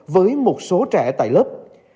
với một số trẻ tại lớp